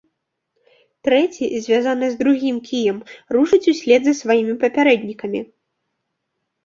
Трэці, звязаны з другім кіем, рушыць услед за сваімі папярэднікамі.